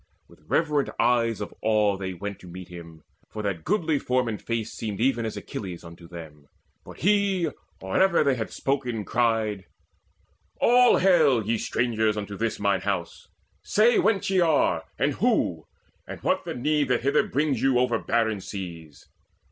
With reverent eyes of awe they went To meet him, for that goodly form and face Seemed even as very Achilles unto them. But he, or ever they had spoken, cried: "All hail, ye strangers, unto this mine home Say whence ye are, and who, and what the need That hither brings you over barren seas."